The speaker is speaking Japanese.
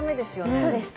そうです。